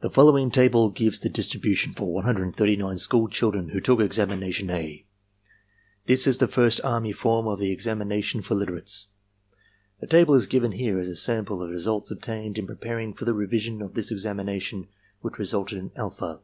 The following table gives the distribution for 139 school children who took Examination A. This is the first army form 190 ARMY MENTAL TESTS of the examination for literates. The table is given here as a sample of the results obtained in preparing for the revision of this examination which resulted in alpha.